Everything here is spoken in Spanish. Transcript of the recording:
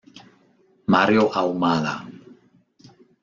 Mario Ahumada